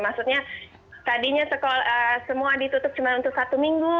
maksudnya tadinya semua ditutup cuma untuk satu minggu